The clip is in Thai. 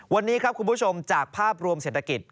วันนี้ครับคุณผู้ชมจากภาพรวมเศรษฐกิจ